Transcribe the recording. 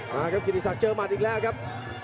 มาครับกิติศักดิ์เจอหมัดอีกแล้วครับ